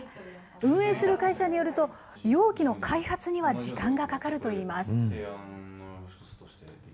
運営する会社によると、容器の開発には時間がかかるといいます。